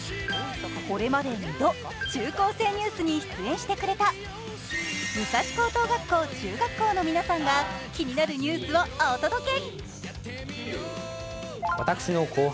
これまで２度「中高生ニュース」に出演してくれた武蔵高等学校中学校の皆さんが気になるニュースをお届け。